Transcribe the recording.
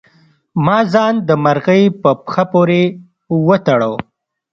ما ځان د مرغۍ په پښه پورې وتړه.